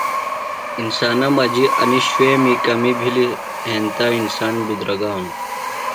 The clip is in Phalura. انسانہ مجیۡ اینیۡ شِئومی کمیۡ بِھلیۡ ہینتہ انسان بِدرگانوۡ۔